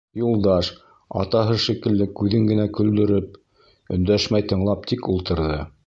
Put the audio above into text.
Юлдаш, атаһы шикелле күҙен генә көлдөрөп, өндәшмәй тыңлап тик ултырҙы.